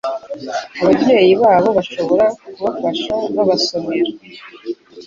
ababyeyi babo bashobora kubafasha babasomera